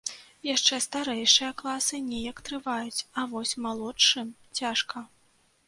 Яшчэ старэйшыя класы неяк трываюць, а вось малодшым цяжка.